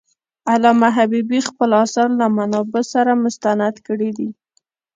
علامه حبيبي خپل آثار له منابعو سره مستند کړي دي.